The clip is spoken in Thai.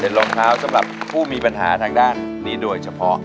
รองเท้าสำหรับผู้มีปัญหาทางด้านนี้โดยเฉพาะ